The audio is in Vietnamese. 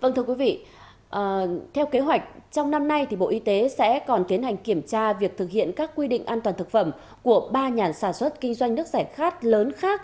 vâng thưa quý vị theo kế hoạch trong năm nay thì bộ y tế sẽ còn tiến hành kiểm tra việc thực hiện các quy định an toàn thực phẩm của ba nhà sản xuất kinh doanh nước giải khát lớn khác